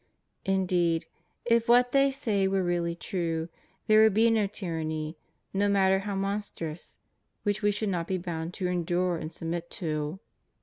Indeed, if what they say were really true, there would be no tyranny, no matter how mon strous, which we should not be bound to endure and submit to.